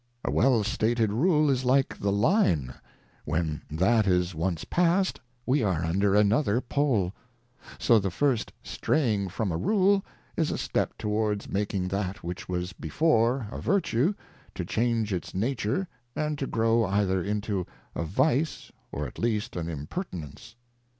A well stated Rule is like the Line, when that is once pass'd we are under another Pole ; so the first straying from a Rule, is a step towards making that which was before a Vertue, to change its Nature, and to grow either into a Vice, or at least an Imper tinence.